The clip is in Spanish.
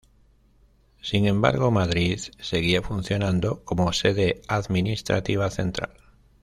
Sin embargo, Madrid seguía funcionando como sede administrativa central.